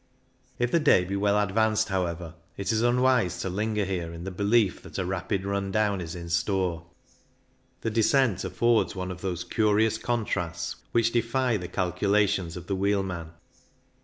If the day be well advanced, however, it is unwise to linger here in the belief that a rapid run down is in store. The descent THE ALBULA 71 affords one of those curious contrasts which defy the calculations of the wheel man.